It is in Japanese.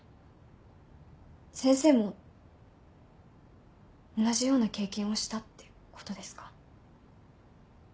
先生も同じような経験をしたってことですか？